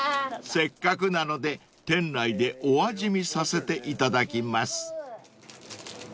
［せっかくなので店内でお味見させていただきます］